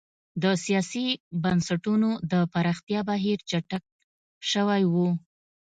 د سیاسي بنسټونو د پراختیا بهیر چټک شوی و.